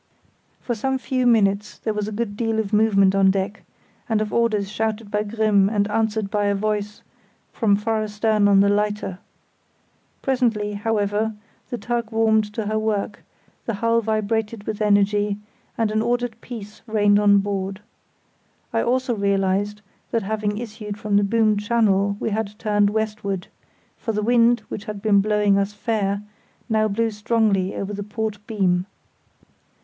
For some few minutes there was a good deal of movement on deck, and of orders shouted by Grimm and answered by a voice from far astern on the lighter. Presently, however, the tug warmed to her work, the hull vibrated with energy, and an ordered peace reigned on board. I also realised that having issued from the boomed channel we had turned westward, for the wind, which had been blowing us fair, now blew strongly over the port beam.